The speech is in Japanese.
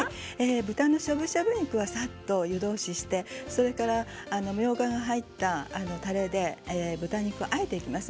豚のしゃぶしゃぶ肉はさっと湯通ししてみょうがが入ったたれで豚肉をあえています。